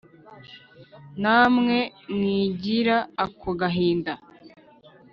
Na mwe mwigira ako gahinda